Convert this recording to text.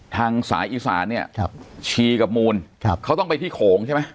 ทางสายอีสานเนี่ยชีกับมูลเขาต้องไปที่โขงใช่ไหม